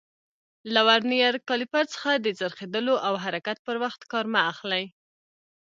له ورنیر کالیپر څخه د څرخېدلو او حرکت پر وخت کار مه اخلئ.